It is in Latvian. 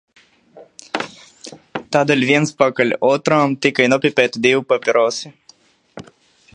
Tādēļ viens pakaļ otram tika nopīpēti divi papirosi.